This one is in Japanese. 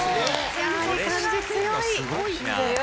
やはり漢字強い。